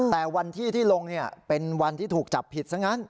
แต่วันที่ที่ลงเป็นวันที่ถูกจับผิดซะงั้น